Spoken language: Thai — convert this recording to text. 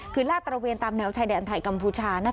คือลาดตระเวนตามแนวชายแดนไทยกัมพูชา